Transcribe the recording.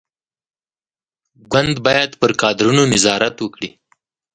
ګوند باید پر کادرونو نظارت وکړي.